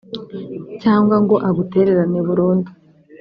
cyangwa ngo agutererane burundu